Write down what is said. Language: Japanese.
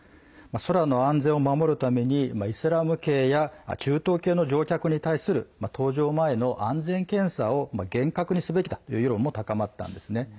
空の安全を守るためにイスラム系や中東系の乗客に対する搭乗前の安全検査を厳格にすべきだという世論も高まったんですね。